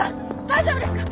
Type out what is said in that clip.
大丈夫ですか！？